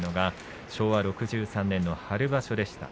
昭和６３年の春場所でした。